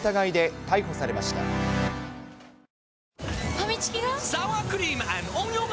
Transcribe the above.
ファミチキが！？